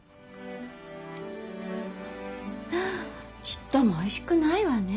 ちっともおいしくないわね。